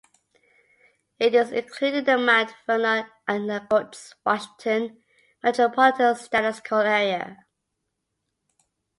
It is included in the Mount Vernon-Anacortes, Washington Metropolitan Statistical Area.